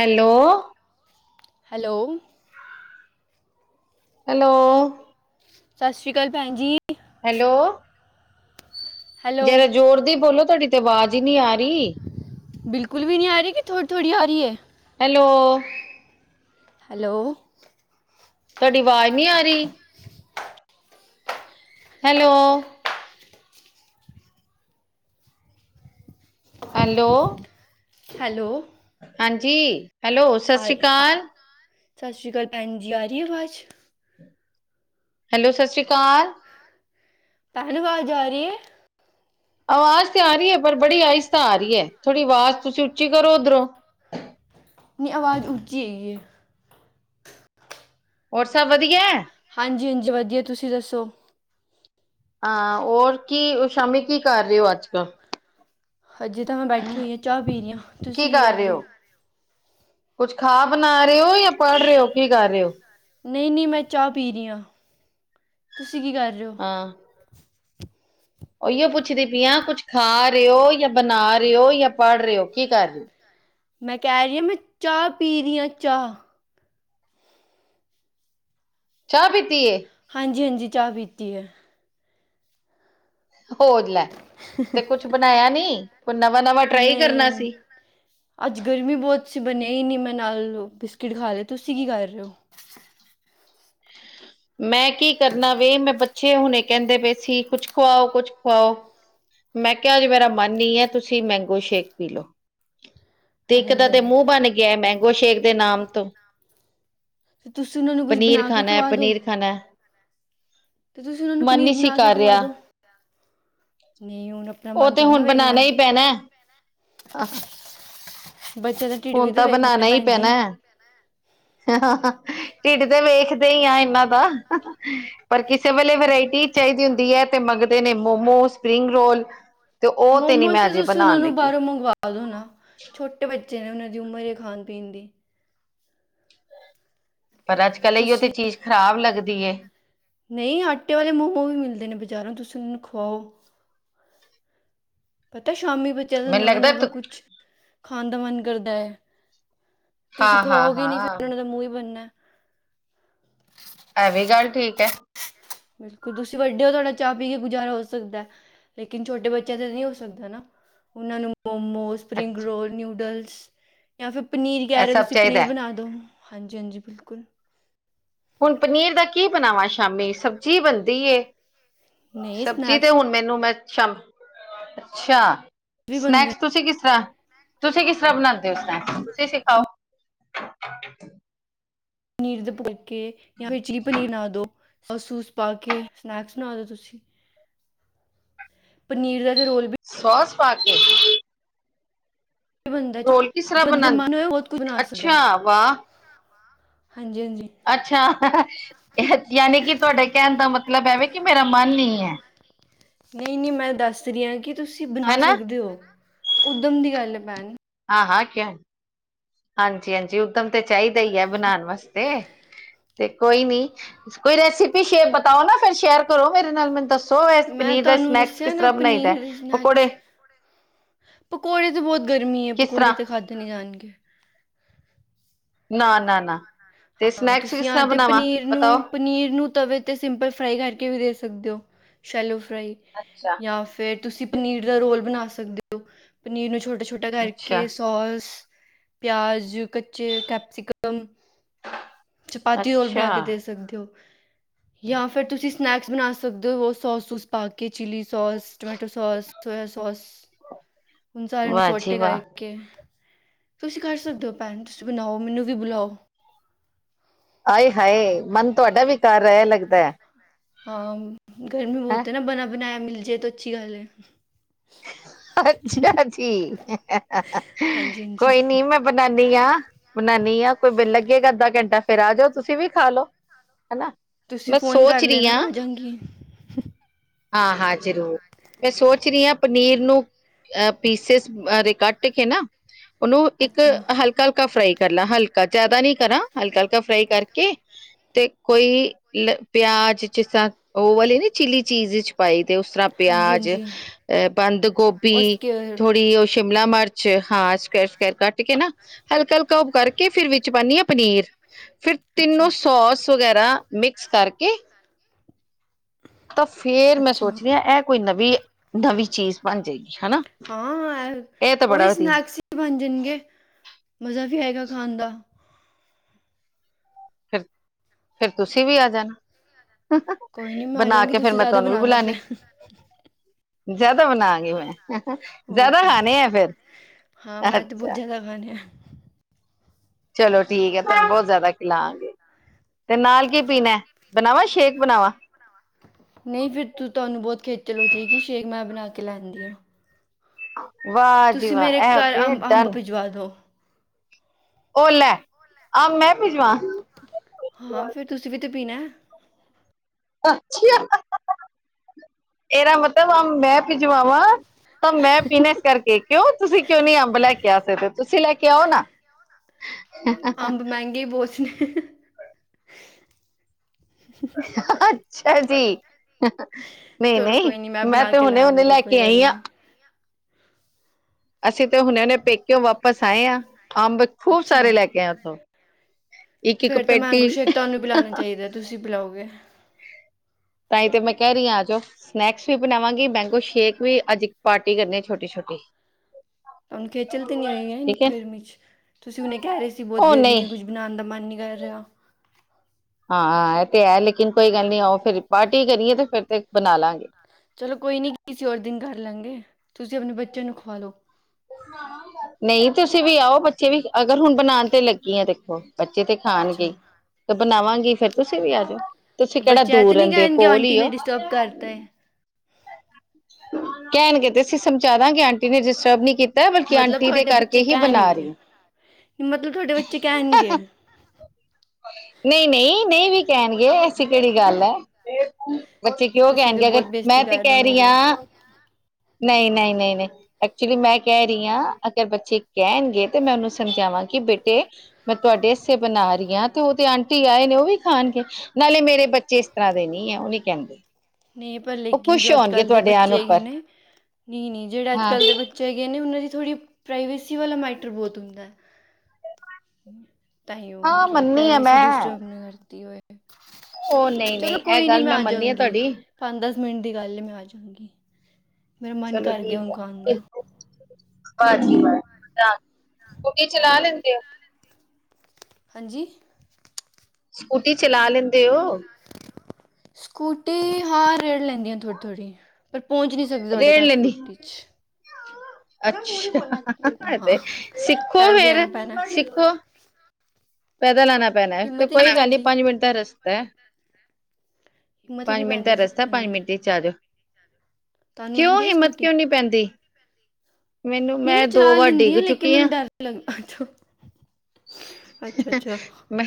Hello hello hello ਸਤਿ ਸ਼੍ਰੀ ਅਕਾਲ ਭੈਣ ਜੀ ਹੈਲੋ ਹੈਲੋ ਜਰਾ ਜ਼ੋਰ ਦੀ ਬੋਲੋ ਤੁਹਾਡੀ ਤੇ ਅਵਾਜ਼ ਹੀ ਨਇ ਆ ਰਹੀ ਬਿਲਕੁਲ ਵੀ ਨਹੀਂ ਆ ਰਹੀ ਕਿ ਥੋੜੀ ਥੋੜ੍ਹੀ ਆ ਰਹੀ ਹੈ ਹੈਲੋ ਹੈਲੋ ਤੁਹਾਡੀ ਆਵਾਜ਼ ਨੀ ਆ ਰਹੀ ਹੈਲੋ ਹੈਲੋ ਹੈਲੋ ਹਾਂਜੀ ਹੈਲੋ ਸਤਿ ਆ ਸ਼੍ਰੀ ਰਹੀ ਆ ਅਕਾਲ ਸਤਿ ਸ਼੍ਰੀ ਅਕਾਲ ਭੈਣ ਜੀ ਆ ਰਹੀ ਆਵਾਜ਼ ਹੈਲੋ ਸਤਿ ਸ਼੍ਰੀ ਅਕਾਲ ਪਹਿਨ ਆਵਾਜ ਆ ਰਹੀ ਹੈ ਆਵਾਜ਼ ਤੇ ਆ ਰਹੀ ਹੈ ਪਰ ਬੜੀ ਆਹਿਸ ਤਾਂ ਆ ਰਹੀ ਹੈ ਥੋੜੀ ਆਵਾਜ਼ ਤੁਸੀਂ ਉੱਚੀ ਕਰੋ ਉੱਧਰੋਂ ਨਹੀਂ ਆਵਾਜ਼ ਉੱਚੀ ਆਈ ਹੈ ਹੋਰ ਸਭ ਵਧੀਆ ਹਾਂਜੀ ਹਾਂਜੀ ਵਧੀਆ ਤੁਸੀਂ ਦੱਸੋ ਹਾਂ ਹੋਰ ਕੀ ਸ਼ਾਮੀ ਕੀ ਕਰ ਰਹੇ ਹੋ ਅੱਜ ਕੱਲ੍ਹ ਅਜੇ ਤਾਂ ਮੈਂ ਬੈਠੀ ਹੋਈ ਹਾਂ ਚਾਹ ਪੀ ਰਹੀ ਹਾਂ ਤੁਸੀਂ ਕੀ ਕਰ ਰਹੇ ਹੋ ਕੁਝ ਖਾ ਬਣਾ ਰਹੇ ਹੋ ਜਾਂ ਪੜ੍ਹ ਰਹੇ ਹੋ ਕੀ ਕਰ ਰਹੇ ਹੋ ਨਹੀਂ ਨਹੀਂ ਮੈਂ ਚਾਹ ਪੀ ਰਹੀ ਹਾਂ ਤੁਸੀਂ ਕੀ ਕਰ ਰਹੇ ਹੋ ਹਾਂ ਉਹੀਓ ਪੁੱਛਦੀ ਪਈਆਂ ਕੁੱਛ ਖਾ ਰਹੇ ਹੋ ਜਾਂ ਬਣਾ ਰਹੇ ਹੋ ਜਾਂ ਪੜ ਰਹੇ ਹੋ ਕੀ ਕਰ ਰਹੇ ਹੋ ਮੈਂ ਕਹਿ ਰਹੀ ਹਾਂ ਮੈਂ ਚਾਹ ਪੀ ਰਹੀ ਹਾਂ ਚਾਹ ਚ ਪੀਤੀ ਹੈ ਹਾਂਜੀ-ਹਾਂਜੀ ਚਾਹ ਪੀਤੀ ਹੈ। ਹੋਰ ਲੈ ਤੇ ਕੁਛ ਬਣਾਇਆ, ਨੀ ਕੋਈ ਨਵਾਂ-ਨਵਾਂ ਟਰਾਈ ਕਰਨਾ ਨਹੀਂ ਸੀ। ਅੱਜ ਗਰਮੀ ਬਹੁਤ ਸੀ ਬਣਿਆ, ਹੀ ਨਹੀਂ ਮੈਂ ਨਾਲ ਬਿਸਕਿਟ ਖਾ ਲਏ ਤੁਸੀਂ ਕੀ ਕਰ ਰਹੇ ਹੋ। ਮੈਂ ਕੀ ਕਰਨਾ ਵੀੇ ਮੈਂ ਬੱਚੇ ਹੁਣੇ ਕਹਿੰਦੇ ਪੇ ਸੀ, ਕੁੱਛ ਖੁਵਾਓ ਕੁੱਛ ਖੁਵਾਓ। ਮੈਂ ਕਿਹਾ ਅਜ ਮੇਰਾ ਮਨ ਹੀ ਹੈ ਤੁਸੀਂ ਮੈਂਗੋ ਸ਼ੇਕ ਪੀ ਲੋ, ਤੇ ਇੱਕ ਹਾਏ ਦਾ ਤੇ ਹਾਏ ਮੂੰਹ ਬਣ ਗਿਆ ਮੈਂਗੋ ਸ਼ੇਕ ਦੇ ਨਾਮ ਤੋਂ, ਤੁਸੀਂ ਉਹਨਾ ਨੂੰ ਕੁਝ ਪਨੀਰ ਬਣਾ ਕੇ ਖਾਣਾ ਹੈ ਖਵਾ ਦੋ। ਪਨੀਰ ਉਹਨਾਂ ਨੂੰ ਮਨ ਪਨੀਰ ਨਹੀਂ ਸੀ ਬਣਾ ਕੇ ਕਰ ਖਵਾ ਰਿਹਾ। ਦਿਓ ਨਹੀਂ ਹੁਣ ਆਪਣਾ ਉਹ ਮਨ ਤੇ ਥੋੜ੍ਹਾ ਨਾ ਹੁਣ ਵੇਖਣਾ ਬਣਾਣਾ ਹੈ। ਹੀ ਪੈਣਾ, ਬੱਚੇ ਦੇ, ਹੁਣ ਤਾਂ ਬਣਾਣਾ ਹੀ ਪੈਣਾ। ਹ ਢਿਡ ਤੇ ਵੇਖਦੇ ਹੀ ਆ ਇਹਨਾਂ ਦਾ, ਪਰ ਕਿਸੇ ਵੇਲੇ ਵਰਾਇਟੀ ਚਾਹੀਦੀ ਹੁੰਦੀ ਹੈ, ਤੇ ਮੰਗਦੇ ਨੇ ਮੋਮੋ ਸਪਰਿੰਗ ਰੋਲ ਤੇ ਉਹ ਤੇ ਨੀ ਮੈਂ ਅਜੇ ਬਣਾਣ ਲੱਗੀ। ਬਣਾ ਦਿਓ ਨਾ ਛੋਟੇ ਬੱਚੇ ਨੇ, ਉਹਨਾਂ ਦੀ ਉਮਰ ਹੀ ਖਾਣ ਪੀਣ ਦੀ। ਪਰ ਅੱਜ-ਕੱਲ ਹੀ ਉਹ ਤੇ ਤੁਸੀਂ ਚੀਜ਼ ਖਰਾਬ ਲੱਗਦੀ। ਨਹੀਂ ਆਟੇ ਵਾਲੇ ਮੋਮੋ ਵੀ ਮਿਲਦੇ ਨੇ ਬਜ਼ਾਰੋਂ ਤੁਸੀਂ ਮਨੂੰ ਖਵਾਓ ਪਤਾ ਸ਼ਾਮੀ ਬੱਚਿਆਂ ਦਾ ਮੈਨੂੰ ਨਵਾਂ ਲੱਗਦਾ ਨਵਾਂ ਤ ਕੁਛ ਖਾਣ ਦਾ ਮਨ ਕਰਦਾ ਹੈ ਤੁਸੀਂ ਹਾਂ ਹਾਂ ਖਵਾਓਗੇ ਨੀ ਫਿਰ ਹਾਂ ਉਹਨਾਂ ਦਾ ਮੂੰਹ ਹੀ ਬਣਨਾ। ਇਹ ਵੀ ਗੱਲ ਠੀਕ ਹੈ। ਬਿਲਕੁਲ ਤੁਸੀਂ ਵੱਡੇ ਹੋ ਤੁਹਾਡਾ ਚਾਹ ਪੀ ਕੇ ਗੁਜਾਰਾ ਹੋ ਸਕਦਾ। ਲੇਕਿਨ ਛੋਟੇ ਬੱਚਿਆਂ ਤਾਂ ਨਹੀਂ ਹੋ ਸਕਦਾ ਨਾ ਉਹਨਾਂ ਨੂੰ ਮੋਮੋ, ਸਪਰਿੰਗ ਅੱਛਾ ਰੋਲ, ਨਿਊਡਲਸ ਜਾਂ ਫਿਰ ਪਨੀਰ ਇਹ ਕਹਿ ਰਹੇ ਹੋ ਸਭ ਤੁਸੀਂ ਪਨੀਰ ਚਾਹੀਦਾ ਬਣਾ ਦੋ। ਹਾਂਜੀ ਹਾਂਜੀ ਬਿਲਕੁਲ। ਹੁਣ ਪਨੀਰ ਦਾ ਕੀ ਬਣਾਵਾਂ ਸ਼ਾਮੀ ਸਬਜ਼ੀ ਬਣਦੀ ਨਹੀਂ ਸਬਜ਼ੀ ਤੇ ਸਨੈਕਸ ਹੁਣ ਮੈਨੂੰ ਮੈਂ ਅੱਛਾ ਵੀ ਬਣਦੇ ਸਨੈਕਸ ਤੁਸੀਂ ਕਿਸ ਤਰ੍ਹਾਂ ਤੁਸੀਂ ਕਿਸ ਤਰ੍ਹਾਂ ਬਣਾਦੇ ਹੋ ਸਨੈਕਸ ਤੁਸੀਂ ਨੇ ਸਿਖਾਓ। ਪਨੀਰ ਦੇ ਫੁਲਕੇ ਜਾਂ ਫਿਰ ਚਲੀ ਪਨੀਰ ਬਣਾ ਦੋ ਸੂਸ ਪਾ ਕੇ ਸਨੈਕਸ ਬਣਾ ਦੋ ਤੁਸੀਂ ਪਨੀਰ ਦਾ ਰੋਲ ਵੀ ਸੋਸ ਪਾ ਕੇ ਬਣਦਾ ਰੋਲ ਕਿਸ ਤਰ੍ਹਾਂ ਜੇ ਬੰਦੇ ਬਣਾ ਦਾ ਮਨ ਹੋਏ ਬਹੁਤ ਕੁਝ ਬਣਾ ਅੱਛਾ ਵਾਹ ਹਾਂਜੀ-ਹਾਂਜੀ। ਅੱਛਾ ਯਾਨੀ ਕਿ ਤੁਹਾਡੇ ਕਹਿਣ ਦਾ ਮਤਲਬ ਐਵੇ ਕਿ ਮੇਰਾ ਮਨ ਨਹੀਂ ਹੈ। ਨਹੀਂ-ਨਹੀਂ, ਮੈਂ ਦੱਸ ਰਹੀ ਹਾਂ ਕਿ ਤੁਸੀਂ ਬਣਾ ਹਨਾ ਸਕਦੇ ਹੋ ਉਦਮ ਦੀ ਗੱਲ ਹੈ ਭੈਣ ਹਾਂ-ਹਾਂ, ਕਿਆ। ਹਾਂਜੀ-ਹਾਂਜੀ, ਉਦਮ ਤਾਂ ਚਾਹੀਦਾ ਹੀ ਹੈ, ਬਣਾਉਣ ਵਾਸਤੇ ਤੇ। ਕੋਈ ਨੀ ਕੋਈ ਰੈਸਿਪੀ ਸ਼ੇਅਰ ਬਤਾਓ, ਨਾ ਫੇਰ ਸ਼ੇਅਰ ਕਰੋ ਮੇਰੇ ਨਾਲ ਮੈਨੂੰ ਦੱਸੋ। ਸੋ ਮੈਂ ਪਨੀਰ ਦਾ ਤੁਹਾਨੂੰ ਸਨੈਕਸ ਦੱਸਿਆ ਕਿਸ ਨਾ ਤਰ੍ਹਾਂ ਬਣਾਈ ਦਾ ਪਨੀਰ ਦੇ ਪਕੌੜੇ ਸਨੈਕਸ ਪਕੌੜੇ ਤਾਂ ਬਹੁਤ ਗਰਮੀ ਹੈ, ਕਿਸ ਤਰ੍ਹਾਂ ਪਕੌੜੇ ਤਾਂ ਖਾਧੇ ਨੀ ਜਾਣਗੇ। ਨਾ-ਨਾ-ਨਾ ਹਾਂ ਤੁਸੀਂ ਆ ਤੇ ਪਨੀਰ ਨੂੰ ਬਤਾਓ ਪਨੀਰ ਨੂੰ ਤਵੇ 'ਤੇ ਸਿੰਪਲ ਫਰਾਈ ਕਰਕੇ ਵੀ ਦੇ ਸਕਦੇ ਹੋ ਸ਼ੈਲੋ ਫਰਾਈ ਅੱਛਾ। ਜਾਂ ਫੇਰ ਤੁਸੀਂ ਪਨੀਰ ਦਾ ਰੋਲ ਬਣਾ ਸਕਦੇ ਹੋ, ਪਨੀਰ ਨੂੰ ਛੋਟੇ ਛੋਟੇ ਟਾ ਅੱਛਾ ਕਰਕੇ ਸੋਸ ਪਿਆਜ ਕੱਚੇ ਕੈਪਸੀਕਮ ਚਪਾਤੀ ਰੋਲ ਅੱਛਾ ਬਣਾ ਕੇ ਦੇ ਸਕਦੇ ਹੋ, ਜਾਂ ਫਿਰ ਤੁਸੀਂ ਸਨੈਕਸ ਬਣਾ ਸਕਦੇ, ਹੋ ਸੋਸ ਸੂਸ ਪਾ ਕੇ chilli sauce tomato sauce soya sauce [unintelligible] ਹੁਣ ਸਾਰਿਆ ਨੂੰ ਵਾਹ ਜੀ ਸੋਟੇ ਵਾਹ ਕਰਕੇ ਤੁਸੀਂ ਕਰ ਸਕਦੇ ਹੋ ਭੈਣ ਤੁਸੀਂ ਬਣਾਓ ਮੈਨੂੰ ਵੀ ਬੁਲਾਓ ਆਾਏ ਹਾਏ ਮਨ ਤੁਹਾਡਾ ਵੀ ਕਰ ਰਿਹਾ ਲੱਗਦਾ। ਹਾਂ ਗਰਮੀ ਹੈਂ ਬਹੁਤ ਨਾ ਬਣਾ ਬਣਾਇਆ, ਮਿਲ ਜਾਏ ਤਾਂ ਅੱਛੀ ਗੱਲ ਹੈ। ਅੱਛਾ ਜੀ ਹਾਂਜੀ ਹਾਂਜੀ ਕੋਈ ਨੀ ਮੈਂ‌ ਬਨਾਨੀ ਆ ਬਨਾਨੀ ਹਾ ਕੋਈ ਬਿੱਨ ਲੱਗੇਗਾ, ਅੱਧਾ ਘੰਟਾ ਫੇਰ ਆ ਜਾਓ ਤੁਸੀਂ ਵੀ ਖਾਲੋ। ਹਨਾ। ਤੁਸੀਂ ਫ਼ੋਨ ਕਰ ਲੈਣਾ ਹਾਂ ਮੈਂ ਆ ਜਾਂਗੀ। ਹਾਂ ਹਾਂ ਜ਼ਰੂਰ ਮੈਂ ਸੋਚ ਰਹੀ ਹਾਂ। ਪਨੀਰ ਨੂੰ ਅਹ ਪੀਸਿਸ ਕੱਟ ਕੇ ਨਾ ਉਹਨੂੰ ਇੱਕ ਅੱਛਾ ਹਲਕਾ ਹਲਕਾ ਹਲਕਾ ਫਰਾਈ ਕਰ ਲਾਂ ਹਲਕਾ ਜਿਆਦਾ ਨ ਕਰਾਂ ਹਲਕਾ ਹਲਕਾ ਫਰਾਈ ਕਰਕੇ ਤੇ ਕੋਈ ਲ ਪਿਆਜ ਚ ਉਹ ਵਾਲੀ ਨੀ ਚਿੱਲੀ ਚੀਜ਼ ਚ ਪਾਈ ਤੇ ਉਸ ਤਰ੍ਹਾਂ ਹਾਂਜੀ ਪਿਆਜ ਹਾਂਜੀ ਅਹ ਬੰਦ ਗੋਭੀ ਉਸਕੇ ਥੋੜੀ ਉਹ, ਸ਼ਿਮਲਾ ਮਿਰਚ ਹਾਂ ਸਕਿਏਰ ਸਕਿਏਰ ਕੱਟ ਕੇ ਨਾ, ਹਲਕਾ ਹਲਕਾ ਉਪ ਕਰਕੇ ਫਿਰ ਵਿੱਚ ਪਾਉਂਦੀ ਹਾਂ ਪਨੀਰ ਫਿਰ ਤਿੰਨੋ ਅੱਛਾ ਸੋਸ ਵਗੈਰਾ ਮਿਕਸ ਕਰਕੇ ਤਾਂ ਫੇਰ ਮੈਂ ਅੱਛਾ ਸੋਚਦੀ ਹਾਂ ਇਹ ਕੋਈ ਨਵੀਂ ਨਵੀਂ ਚੀਜ਼ ਬਣ ਜਾਏਗੀ ਹਨਾ। ਹਾਂ ਇਹ ਤਾਂ ਉਹੀ ਬੜਾ ਵਧੀਆ ਸਨੈਕਸ ਹੀ ਬਣ ਜਾਣਗੇ ਮਜ਼ਾ ਵੀ ਆਏਗਾ ਖਾਣ ਦਾ। ਫਿਰ ਫੇਰ ਤੁਸੀਂ ਵੀ ਆ ਜਾਣਾ। ਕੋਈ ਨਹੀਂ ਮੈਂ ਆ ਬਣਾ ਜਾਂਗੀ ਕੇ ਫੇਰ ਤੁਸੀਂ ਮੈਂ ਜ਼ਿਆਦਾ ਤੁਹਾਨੂੰ ਵੀ ਬਣਾਉਣਾ ਬੁਲਾਣੀ ਫਿਰ ਜ਼ਿਆਦਾ ਬਣਾਵਗੀ ਮੈਂ ਹੋਰ ਜ਼ਿਆਦਾ ਕੀ ਖਾਣੇ ਆ ਫਿਰ ਹਾਂ ਮੈਂ ਤਾਂ ਅੱਛਾ। [unintelligible] ਚਲੋ ਠੀਕ ਹੈ ਬਹੁਤ ਜ਼ਿਆਦਾ ਖਿਲਾਾਂਗੇ ਤੇ ਨਾਲ ਕੀ ਪੀਣਾ ਐ। ਬਣਾਵਾਾਂ ਸ਼ੇਕ ਬਣਾਵਾਾਂ? ਨਹੀਂ ਫੇਰ ਰ ਤੂੰ ਤੁਵਾਨੂੰ ਬਹੁਤ ਖੇਚਲ ਹੋ ਜੇਗੀ ਸ਼ੇਕ ਮੈਂ ਬਣਾ ਕੇ ਲੈ ਆਨੀ ਆਂ। ਵਾਹ ਜੀ ਵਾਹ ਮੇਰੇ ਐ ਘਰ ਹੁੰਦੀ ਏ ਅੰਬ ਡਨ। [unintelligible] ਓਹ ਲੈ ਆਹ ਮੈਂ ਭਿੱਜਵਾਂ ਹਾਂ ਫੇਰ ਤੁਸੀਂ ਵੀ ਤੇ ਪੀਣਾ। ਅਛਾ ਇਹਦਾ ਮਤਲਬ ਆਮ ਮੈਂ ਭਿਜਵਾਵਾਂ? ਤਾਂ ਮੈਂ ਪੀਣਾ ਇਸ ਕਰਕੇ ਕਿਉਂ ਤੁਸੀਂ ਕਿਉਂ ਨੀ ਅੰਬ ਲੈ ਕੇ ਆ ਸਕਦੇ ਹੋ ਤੁਸੀਂ ਲੈ ਕੇ ਆਓ ਨਾ, ਅੰਬ ਮਹਿੰਗੇ ਬਹੁਤ ਨੇ। ਅੱਛਾ ਜੀ ਨਹੀਂ ਚਲੋ ਨਹੀਂ ਕੋਈ ਮੈਂ ਬਣਾ ਤੇ ਕੇ ਹੁਨੇ ਹੁਨੇ ਲਾਂਗੀ ਲੈ ਕੋਈ ਕੇ ਗੱਲ ਆਈ ਆਂ। ਨਹੀਂ ਅਸੀਂ ਤੇ ਹੁਣੇ ਹੁਣੇ ਪੇਕਿਓ ਵਾਪਸ ਆਏ ਹਾਂ ਅੰਬ ਖੂਬ ਸਾਰੇ ਅੱਛਾ ਲੈ ਕੇ ਆਏ ਉੱਥੋਂ। ਇੱਕ ਇੱਕ ਫਿਰ ਤਾਂ ਪੇਟੀ। ਮੈਂਗੋ ਸ਼ੇਕ ਤੁਹਾਨੂੰ ਪਿਲਾਉਣਾ [unintelligible] ਚਾਹੀਦਾ ਤੁਸੀਂ ਬਿਲਾਓਗੇ? ਤਾਂ ਹੀ ਤੇ ਮੈਂ ਕਹਿ ਰਹੀ ਹਾਂ ਆਜੋੋ। ਸਨੈਕਸ ਵੀ ਬਣਾਵਾਂਗੀ ਮੈਂਗੋ ਸ਼ੇਕ ਵੀ ਅੱਜ ਏਕ ਪਾਰਟੀ ਕਰਨੀ ਛੋਟੀ ਛੋਟੀ, ਤੁਵਾਨੂੰ ਖੇਚਲ ਤੇ ਨੀ ਹੋਈ ਨੀ ਠੀਕ ਹੈ ਗਰਮੀ ਚ ਤੁਸੀਂ ਹੁਨੇ ਕਹਿ ਰਹੇ ਸੀ ਬਹੁਤ ਉਹ ਗਰਮੀ ਨਹੀਂ ਹੈ ਕੁਝ, ਨਹਾਨ ਦਾ ਮਨ ਨੀ ਕਰ ਰਿਹਾ। ਹਾਂ ਇਹ ਤੇ ਹੈ ਲੇਕਿਨ ਕੋਈ ਗੱਲ ਨੀ ਆਓ ਫੇਰ ਪਾਰਟੀ ਕਰੀਏ ਤੇ ਫਿਰ ਤੇ ਬਣਾ ਲਾਂਗੇ। ਚਲੋ ਕੋਈ ਨੀ ਕਿਸੀ ਹੋਰ ਦਿਨ ਕਰ ਲਾਂਗੇ ਤੁਸੀਂ ਆਪਣੇ ਬੱਚਿਆਂ ਨੂੰ ਖਵਾ ਲੋ। ਨਹੀਂ ਤੁਸੀਂ ਵੀ ਆਓ ਬੱਚੇ ਵੀ ਅਗਰ ਹੁਣ ਬਨਾਣ ਤੇ ਲੱਗੀ ਆ ਦੇਖੋ। ਬੱਚੇ ਤੇ ਖਾਣਗੇ ਈ ਅੱਛਾ ਤੇ ਬਣਾਵਾਂਗੀ ਫੇਰ ਤੁਸੀਂ ਵੀ ਆਜੋ। ਤੁਸੀਂ ਤਾਂ ਕੇੜਾ ਬੱਚੇ ਐ ਦੂਰ ਤਾਂ ਨਹੀਂ ਰਹਿੰਦੇ ਔ ਕਹਿਣਗੇ ਕੋਲ ਆਂਟੀ ਈ ਨੇ ਹੋ। [unintelligible] ਕਹਿਣਗੇ ਤੇ ਅਸੀਂ ਸਮਝਾ ਦਾਂਗੇ ਆਂਟੀ ਨੇ ਡਿਸਟਰਬ ਨਹੀ ਕੀਤਾ ਬਲਕਿ ਮਤਲਬ ਆਂਟੀ ਦੇ ਤੁਹਾਡੇ ਕਰਕੇ ਬੱਚੇ ਹੀ ਬਣਾ ਕਹਿਣਗੇ ਰਹੀ ਮਤਲਬ ਤੁਹਾਡੇ ਬੱਚੇ ਕਹਿਣਗੇ। ਨਹੀਂ ਨਹੀਂ ਨਹੀਂ ਵੀ ਕਹਿਣਗੇ ਐਸੀ ਕੇੜੀ ਗੱਲ ਹੈ। ਬੱਚੇ ਕਿਉਂ ਤੁਸੀਂ ਤਾਂ ਕਹਿਣਗੇ ਅਗਰ ਬਹੁਤ ਮੈਂ ਬੇਇੱਜ਼ਤੀ ਤੇ ਕਰ ਰਹੇ ਹੋ ਕਹਿ ਰਹੀ ਮੇਰੀ ਆਂ ਨਹੀਂ ਨਹੀਂ ਨਹੀਂ ਨਹੀਂ। ਐਕਚੁਲੀ ਮੈਂ ਕਹਿ ਰਹੀ ਹਾਂ ਅਗਰ ਬੱਚੇ ਕਹਿਣਗੇ ਤੇ ਮੈਂ ਉਹਨੂੰ ਸਮਝਾਵਾਂ ਗੀ ਬੇਟੇ, ਮੈਂ ਤੁਹਾਡੇ ਆਸਤੇ ਬਣਾ ਰਹੀ ਆਂ। ਉਹ ਤੇ ਆਂਟੀ ਆਏ ਨੇ ਉਹ ਵੀ ਖਾਣਗੇ ਨਾਲੇ ਮੇਰੇ ਬੱਚੇ ਇਸ ਤਰ੍ਹਾਂ ਦੇ ਨੀ ਹੈ ਉਹ ਨੀ ਕਹਿਣ ਗੇ। ਨਹੀਂ ਪਰ ਲੇਕਿਨ ਜੋ ਅੱਜ ਕੱਲ ਦੇ ਆਣ ਬੱਚੇ ਹੈਗੇ ਉੱਪਰ ਨੇ ਨਹੀਂ ਨਹੀਂ ਜੇੜਾ ਅੱਜ ਹਾਂ ਕੱਲ ਦੇ ਬ ਚੰਗੇ ਨੀ ਉਹਨਾਂ ਦੀ ਥੋੜ੍ਹੀ ਪ੍ਰਾਈਵੇਸੀ ਵਾਲਾ ਮੈਟਰ ਬਹੁਤ ਹੁੰਦਾ। ਤਹੀਓ ਹਾਂ ਕਿ ਮੰਨੀ ਆ ਪ੍ਰਾਈਵੇਸੀ ਮੈਂ ਡਿਸਟਰਬ ਨਾ ਕਰਤੀ ਹੋਏ। ਉਹ ਨਹੀਂ ਨਹੀਂ ਇਹ ਗੱਲ ਮੈਂ ਮੰਨੀ ਆ ਤੁਹਾਡੀ। ਪੰਜ ਦਸ ਮਿੰਟ ਦੀ ਗੱਲ ਹੈ ਮੈਂ ਆ ਜਾਂਗੀ ਮੇਰਾ ਮਨ ਚਲੋ ਕਰ ਗਿਆ ਠੀਕ ਹੁਣ ਖਾਣ ਹੈ ਦਾ। [unintelligible] ਸਕੂਟੀ ਚਲਾ ਲੈਂਦੇ ਓ? ਹਾਂਜੀ। ਸਕੂਟੀ ਚਲਾ ਲੈਂਦੇ ਔ? ਸਕੂਟੀ ਹਾਂ ਰੇੜ ਲੈਂਨੀ ਆ ਥੋੜ੍ਹੀ ਥੋੜ੍ਹੀ। ਪਰ ਪਹੁੰਚ ਨਹੀਂ ਸਕਦੇ ਤੁਹਾਡੇ ਰੇੜ ਘਰ ਲੈਂਦੀ ਸਕੂਟੀ 'ਚ। ਅੱਛਾ, ਹਾਂ ਤੇ ਸਿੱਖੋ ਪੈਦਲ ਹੀ ਫੇਰ, ਆਉਣਾ ਪੈਣਾ ਸਿੱਖੋ। ਪੈਦਲ ਆਣਾ ਪੈਣਾ ਤੇ ਹਿੰਮਤ ਹੀ ਕੋਈ ਨਹੀਂ ਗੱਲ ਨੀ ਪੈਂਦੀ ਪੰਜ ਮਿੰਟ ਦਾ ਰਸਤਾ ਹੈ। ਹਿੰਮਤ ਹੀ ਪੰਜ ਨਹੀਂ ਮਿੰਟ ਦਾ ਪੈਂਦੀ ਰਸਤਾ ਹੈ ਸਿੱਖਣ ਪੰਜ ਦੀ ਮਿੰਟ ਚ ਆਜੋ ਤੁਹਾਨੂੰ ਕਿਉਂ ਆਂਦੀ ਹੈ ਹਿੰਮਤ ਸਕੂਟੀ ਕਿਉਂ ਨਹੀਂ ਪੈਂਦੀ ਮੈਨੂੰ ਮੈਂ ਦੋ ਵਾਰ ਡਿੱਗ ਚੁੱਕੀ ਆ। ਲਥੋਂ [unintelligible] ਮੈਂ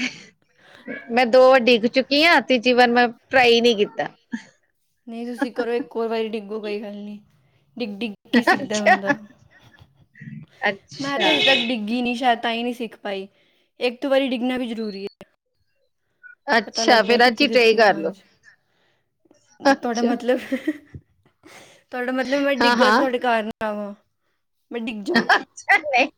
ਮੈਂ ਦੋ ਵਾਰ ਡਿੱਗ ਚੁੱਕੀ ਆਂ। ਤੀਜੀ ਵਾਰ ਮੈਂ ਟਰਾਈ ਈ ਨੀ ਕੀਤਾ। ਕੋਈ ਵਾਰੀ ਡਿੱਗੋ ਕੋਈ ਗੱਲ ਨੀ ਡਿੱਗ ਡਿੱਗ, ਕੇ ਸਿੱਖਦਾ ਅੱਛਾ ਬੰਦਾ ਮੈਂ ਤੇ ਅੱਛਾ ਹਜੇ ਤੱਕ ਡਿੱਗੀ ਨੀ ਸ਼ਾਇਦ, ਤਾਂ ਹੀ ਨਹੀਂ ਸਿੱਖ ਪਾਈ, ਇੱਕ ਵਾਰੀ ਡਿੱਗਣਾ ਵੀ ਜ਼ਰੂਰੀ ਏ। ਅੱਛਾ, ਫਿਰ ਅੱਜ ਕਿੱਥੇ ਹੀ ਟ੍ਰਈ ਗਲਤੀ ਕਰਲੋ। ਹਾਂਜੀ ਤੁਹਾਡਾ ਮਤਲਬ, ਤੁਹਾਡਾ ਮਤਲਬ, ਮੈਂ ਹਾਂ ਡਿੱਗਾ ਤੇ ਹਾਂ ਤੁਹਾਡੇ ਘਰ ਨਾ ਆਵਾਂ। ਮੈਂ ਡਿੱਗ ਜਾ ਅੱਛਾ, ਨਹੀ,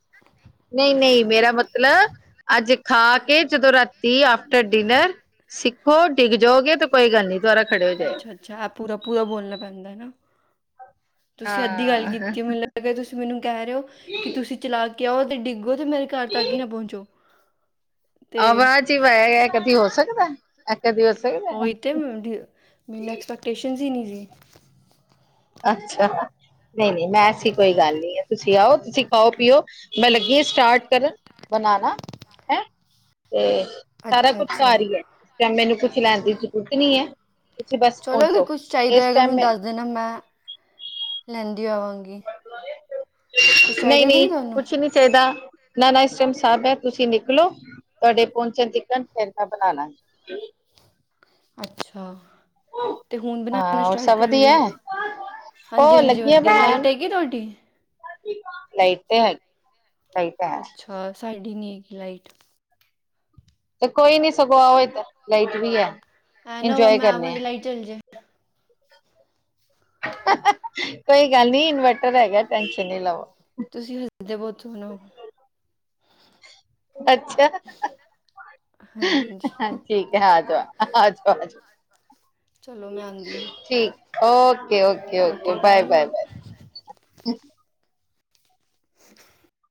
ਨਹੀ, ਨਹੀ, ਮੇਰਾ ਮਤਲਬ ਅੱਜ ਖਾ ਕੇ, ਜਦੋਂ ਰਾਤੀ ਆਫਟਰ ਡਿਨਰ, ਸਿੱਖੋ ਡਿੱਗ ਜਿਉਗੇ ਕੋਈ ਗੱਲ ਨੀ, ਦੁਆਰਾ ਖੜੇ ਹੋ ਜਾਇਓ। ਅੱਛਾ ਅੱਛਾ, ਪੂਰਾ, ਪੂਰਾ, ਬੋਲਣਾ ਪੈਂਦਾ ਹੈ ਨਾ। ਤੁਸੀਂ ਅੱਧੀ ਗੱਲ ਹਾਂ ਕੀਤੀ ਮੈਨੂੰ ਲੱਗਿਆ, ਤੁਸੀਂ ਮੈਨੂੰ ਕਹਿ ਰਹੇ ਹੋ ਕਿ ਤੁਸੀਂ ਚਲਾ ਕੇ ਆਓ ਤੇ ਡਿੱਗ [unintelligible] ਮੇਰੇ ਘਰ ਤੱਕ ਹੀ ਨਾ ਪਹੁੰਚੋ। ਤੇ ਆਵਾ 'ਚ ਹੀ ਪਇਆ ਗਿਆ, ਕਦੀ ਹੋ ਸਕਦਾ, ਇਹ ਕਦੀ ਸਕਦਾ ਓਹੀ ਤੇ, ਮੈਨੂੰ ਐਕਸਪੈਕਟੇਸ਼ਨਸ ਹੀ ਨਹੀਂ ਸੀ। ਅੱਛਾ। ਨਹੀ-ਨਹੀ, ਮੈਂ ਐਸੀ ਕੋਈ ਗੱਲ ਨਹੀ ਏ। ਤੁਸੀ ਆਓ, ਤੁਸੀ ਖਾਓ-ਪੀਓ ਮੈਂ ਲੱਗੀ ਆ ਸਟਾਰਟ ਕਰਨ ਬਨਾਨਾ। ਹੈਂ! ਤੇ ਸਾਰਾ ਅੱਛਾ ਕੁਛ ਘਾਰ ਅੱਛਾ ਹੀ ਹੈ, ਉਸ ਟੈਮ ਮੈਨੂੰ ਕੁਛ ਲੈਣ ਦੀ ਜ਼ਰੂਰਤ ਈ ਨਹੀ ਹੈ। ਤੁਸੀਂ ਬੱਸ ਪਹੁੰਚੋ, ਇਸ ਟਾਈਮ ਮੈਂ ਤੇ ਨ ਮੈਂ, ਲੈਂਦੀ ਆਵਾਂਗੀ। ਕੁਛ ਚਾਹੀਦਾ ਤਾਂ ਨਹੀਂ-ਨਹੀਂ ਨਹੀਂ ਤੁਹਾਨੂੰ ਕੁੱਛ ਨੀ ਚੇਦਾ, ਨਾ-ਨਾ ਇਸ ਟਾਈਮ ਸਭ ਹੈ, ਤੁਸੀ ਨਿਕਲੋ। ਤੁਹਾਡੇ ਪਹੁੰਚਣ ਤਿਕਣ, ਫਿਰ ਮੈਂ ਬਣਾਲਾਂਗੀ। ਅੱਛਾ, ਤੇ ਹੁਣ ਬਣਾਣਾ ਹਾਂ ਹੋਰ ਸਟਾਰਟ ਸਭ ਵਧੀਆ ਕਰੋਗੇ? ਉਹ ਹਾਂਜੀ-ਹਾਂਜੀ ਲੱਗੀ ਆ ਵੱਧੀਆ ਬਣਾਣ ਲਾਈਟ ਹੈਗੀ, ਤੁਹਾਡੀ? ਲਾਈਟ ਤੇ ਹੈ ਲਾਈ ਅੱਛਾ, ਸਾਡੀ ਨਹੀਂ ਹੇਗੀ ਲਾਈਟ। ਤੇ ਕੋਈ ਨੀ ਸਗੋਂ ਆਓ ਇੱਧਰ, ਲਾਈਟ ਵੀ ਹੈ। ਐ ਨਾ ਹੋਵਾ ਇੰਜੋਏ ਮੈਂ ਆਵਾ, ਕਰਨੇ ਤ ਆ ਲਾਈਟ ਚੱਲਜੇ। ਕੋਈ ਗੱਲ ਨੀ ਇਨਵਰਟਰ ਹੈਗਾ, ਟੈਨਸ਼ਨ ਨੀ ਲਵੋ। ਤੁਸੀਂ ਹੱਸਦੇ ਬਹੁਤ ਸੋਹਣੋ। ਅੱਛਾ। ਹਾਂਜੀ ਹਾਂਜੀ ਠੀਕ ਹੈ, ਆਜਾਓ, ਆਜੋ, ਆਜੋ। ਚਲੋ ਮੈਂ ਆਉਂਦੀ ਹਾਂ ਠੀਕ, ਓਕੇ-ਓਕੇ-ਓਕੇ, ਓਕੇ ਬਾਏ ਬਾਏ-ਬਾਏ-ਬਾਏ। [inaudible]